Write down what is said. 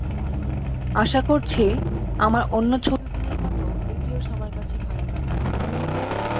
আশা করছি, আমার অন্য ছবিগুলোর মতো এটিও সবার কাছে ভালো লাগবে।